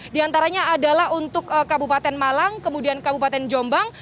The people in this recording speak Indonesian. di antaranya adalah untuk kabupaten malang kemudian kabupaten jombang